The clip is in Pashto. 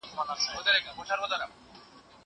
زه مخکي موبایل کارولی و!!